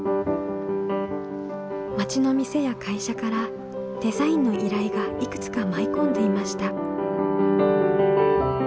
町の店や会社からデザインの依頼がいくつか舞い込んでいました。